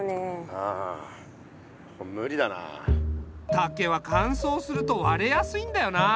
竹はかんそうすると割れやすいんだよな。